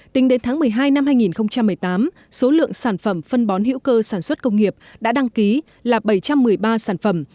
tính đến tháng một mươi hai năm hai nghìn một mươi tám số lượng sản phẩm phân bón hữu cơ sản xuất công nghiệp đã đăng ký là bảy trăm một mươi ba sản phẩm